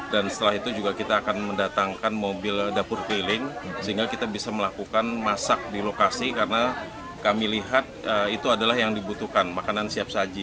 dan setelah itu juga kita akan mendatangkan mobil dapur piling sehingga kita bisa melakukan masak di lokasi karena kami lihat itu adalah yang dibutuhkan makanan siap saji